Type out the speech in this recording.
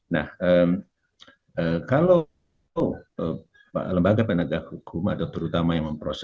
nah kalau lembaga penegak hukum atau terutama yang memproses